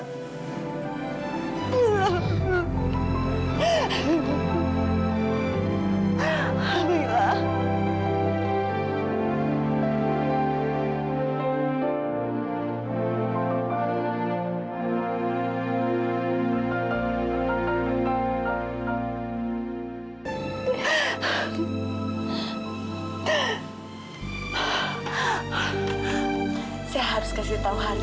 saat ini saya harus beritahu haz